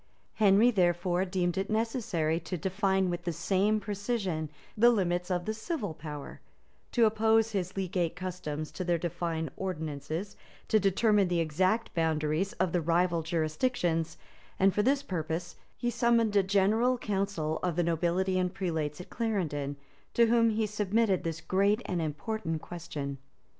Henry, therefore, deemed it necessary to define with the same precision the limits of the civil power; to oppose his legal customs to their divine ordinances; to determine the exact boundaries of the rival jurisdictions; and for this purpose he summoned a general council of the nobility and prelates at Clarendon, to whom he submitted this great and important question. [15th Jan.